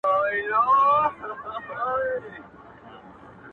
تا چي رنګ د ورور په وینو صمصام راوړ-